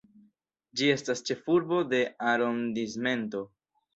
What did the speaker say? Ĝi estas ĉefurbo de arondismento.